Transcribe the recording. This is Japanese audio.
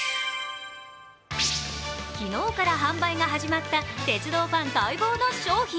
昨日から販売が始まった鉄道ファン待望の商品。